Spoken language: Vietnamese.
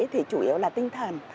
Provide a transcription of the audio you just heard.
thì chủ yếu là tinh thần